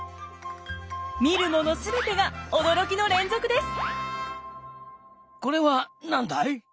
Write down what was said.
見るもの全てが驚きの連続です。